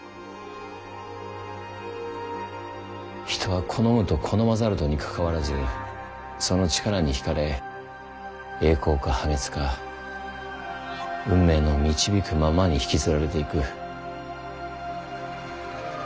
人は好むと好まざるとにかかわらずその力に引かれ栄光か破滅か運命の導くままに引きずられていく。